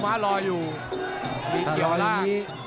ถ้ารออยู่ทีนี่